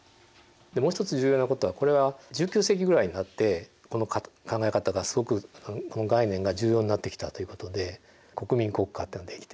でもう一つ重要なことはこれは１９世紀ぐらいになってこの考え方がすごくこの概念が重要になってきたということで国民国家というのが出来て。